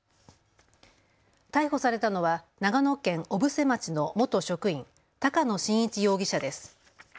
逮捕されたのは長野県小布施町の元職員、高野伸一容疑者です。